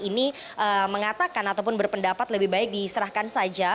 ini mengatakan ataupun berpendapat lebih baik diserahkan saja